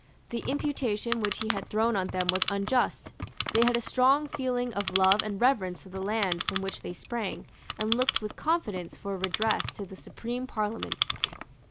The imputation which he had thrown on them was unjust. They had a strong feeling of love and reverence for the land from which they sprang, and looked with confidence for redress to the supreme Parliament.